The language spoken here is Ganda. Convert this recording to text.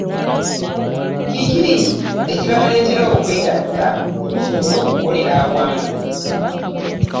Kiki ekyabaleetera okwegaata musobole okulolera awamu?